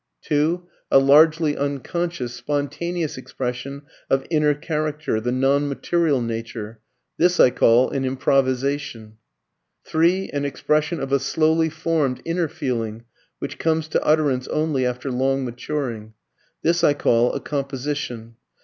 (2) A largely unconscious, spontaneous expression of inner character, the non material nature. This I call an "Improvisation." (3) An expression of a slowly formed inner feeling, which comes to utterance only after long maturing. This I call a "Composition."